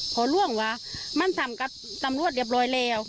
พอล่วงว่ามันทำกับตำรวจเรียบร้อยแล้ว